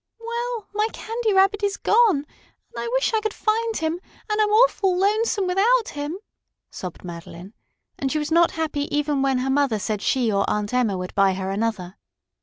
"Well, my Candy Rabbit is gone, and I wish I could find him, and I'm awful lonesome without him," sobbed Madeline, and she was not happy even when her mother said she or Aunt Emma would buy her another.